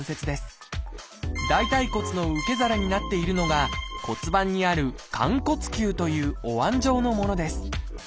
大腿骨の受け皿になっているのが骨盤にある「寛骨臼」というおわん状のものです。